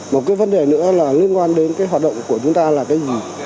một cái vấn đề nữa là liên quan đến cái hoạt động của chúng ta là cái gì